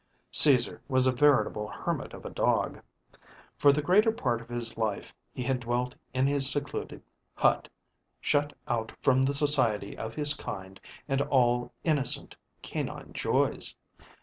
Caesar was a veritable hermit of a dog. For the greater part of his life he had dwelt in his secluded hut, shut out from the society of his kind and all innocent canine joys.